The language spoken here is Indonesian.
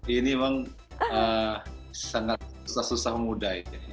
ini memang sangat susah susah mudah